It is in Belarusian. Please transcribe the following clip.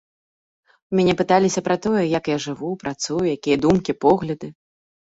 У мяне пыталіся пра тое, як я жыву, працую, якія думкі, погляды.